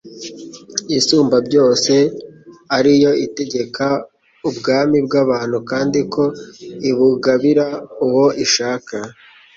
“Isumbabyose ari yo itegeka ubwami bw’abantu, kandi ko ibugabira uwo ishaka.